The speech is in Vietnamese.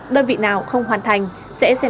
đơn vị nào không hoàn thành sẽ xem xét trách nhiệm